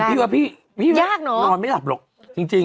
พี่บาพียากนอพี่บาพีนอนไม่หลับหรอกจริงจริง